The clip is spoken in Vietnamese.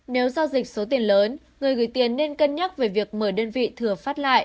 nếu giao dịch số tiền lớn người gửi tiền nên cân nhắc về việc mở đơn vị thừa phát lại